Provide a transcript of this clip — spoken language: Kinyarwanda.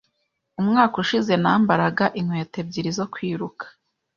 Umwaka ushize nambaraga inkweto ebyiri zo kwiruka.